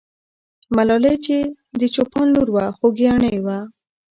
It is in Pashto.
ملالۍ چې د چوپان لور وه، خوګیاڼۍ وه.